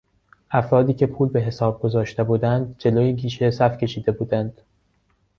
افرادی که پول به حساب گذاشته بودند جلو گیشه صف کشیده بودند.